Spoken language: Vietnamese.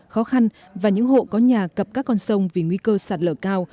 khó khăn và những hộ có nhà cập các con sông vì nguy cơ sạt lở cao